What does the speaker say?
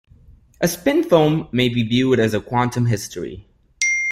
A spin foam may be viewed as a quantum history.